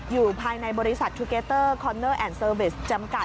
อยู่ภายในบริษัทชูเกเตอร์คอนเนอร์แอนดเซอร์เบสจำกัด